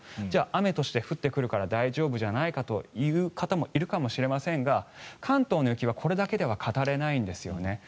じゃあ、雨として降ってくるから大丈夫じゃないかという方もいるかもしれませんが関東の雪はこれだけでは語れないんですね。